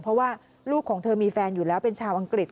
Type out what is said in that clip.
เพราะว่าลูกของเธอมีแฟนอยู่แล้วเป็นชาวอังกฤษ